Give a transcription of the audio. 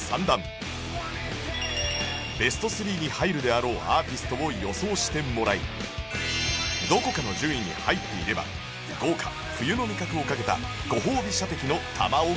ベスト３に入るであろうアーティストを予想してもらいどこかの順位に入っていれば豪華冬の味覚をかけたご褒美射的の弾をゲット